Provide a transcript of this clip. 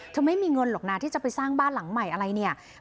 ไม่มีเงินหรอกนะที่จะไปสร้างบ้านหลังใหม่อะไรเนี่ย